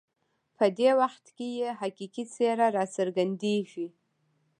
په دې وخت کې یې حقیقي څېره راڅرګندېږي.